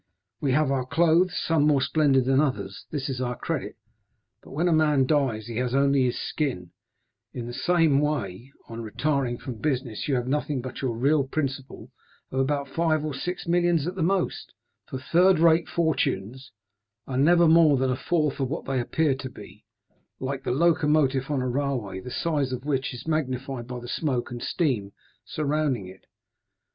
We have our clothes, some more splendid than others,—this is our credit; but when a man dies he has only his skin; in the same way, on retiring from business, you have nothing but your real principal of about five or six millions, at the most; for third rate fortunes are never more than a fourth of what they appear to be, like the locomotive on a railway, the size of which is magnified by the smoke and steam surrounding it.